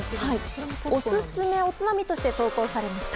オススメのおつまみとして投稿されました。